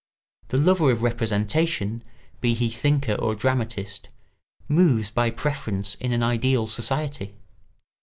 The lover of representation, be he thinker or dramatist, moves by preference in an ideal society.